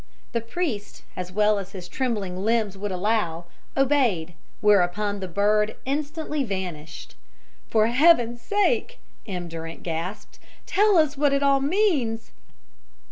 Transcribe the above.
The priest, as well as his trembling limbs would allow, obeyed; whereupon the bird instantly vanished. "For Heaven's sake," M. Durant gasped, "tell us what it all means."